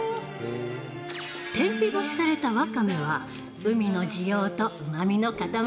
天日干しされた、わかめは海の滋養と、うまみの塊。